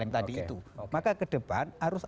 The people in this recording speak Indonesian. tadi itu maka ke depan harus